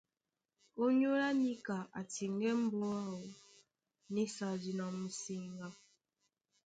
Ónyólá níka a tiŋgɛ́ mbɔ́ áō nísadi na musiŋga.